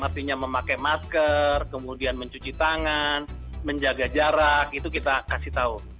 artinya memakai masker kemudian mencuci tangan menjaga jarak itu kita kasih tahu